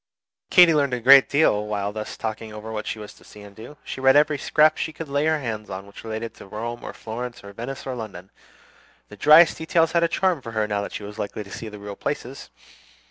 Katy learned a great deal while thus talking over what she was to see and do. She read every scrap she could lay her hand on which related to Rome or Florence or Venice or London. The driest details had a charm for her now that she was likely to see the real places.